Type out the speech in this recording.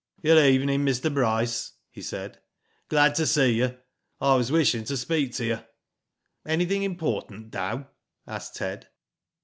",Good evening, Mr. Bryce," he said. " Glad to see you. I was wishing to speak to you." " Anything important, Dow ?" asked Ted.